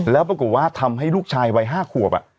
แล้วปรากฏว่าทำให้ลูกชายวัย๕ขวบ